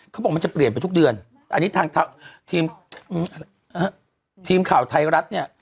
เขาบอกมันจะเปลี่ยนไปทุกเดือนอันนี้ทางทีมทีมข่าวไทยรัฐเนี่ย